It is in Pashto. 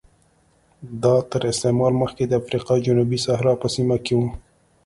دا تر استعمار مخکې د افریقا جنوبي صحرا په سیمه کې و